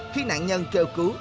khi nạn nhân kêu